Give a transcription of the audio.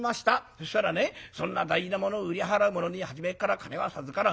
そしたらねそんな大事なものを売り払う者に初めから金は授からん。